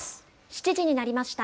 ７時になりました。